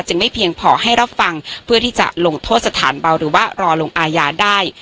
ไม่เพียงพอให้รับฟังเพื่อที่จะลงโทษสถานเบาหรือว่ารอลงอาญาได้